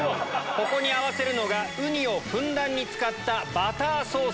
ここに合わせるのがウニをふんだんに使った。